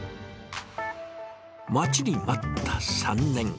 待ちに待った３年。